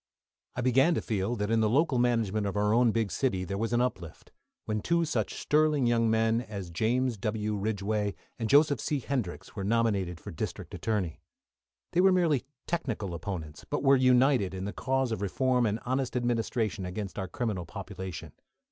I began to feel that in the local management of our own big city there was an uplift, when two such sterling young men as James W. Ridgeway, and Joseph C. Hendrix, were nominated for District Attorney. They were merely technical opponents, but were united in the cause of reform and honest administration against our criminal population.